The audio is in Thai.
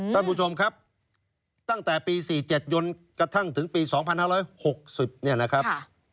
ท่านผู้ชมครับตั้งแต่ปี๔๗ยนกระทั่งถึงปี๒๕๖๐เนี่ยนะครับ